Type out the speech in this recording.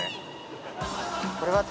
これは？